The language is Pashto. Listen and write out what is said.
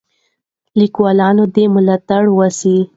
لیکوالان دې ملاتړ وسي.